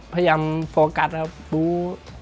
พยายามโปรเกอร์ฟ่าดู